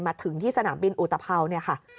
มาถึงที่สนามบินอุตภัวร์